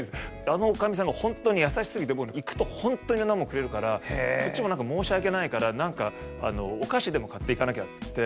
あの女将さんがホントに優しすぎて行くとホントに色んなものくれるからこっちもなんか申し訳ないからなんかお菓子でも買っていかなきゃって。